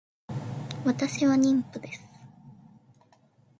私は妊婦です